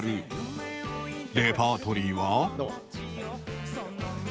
レパートリーは？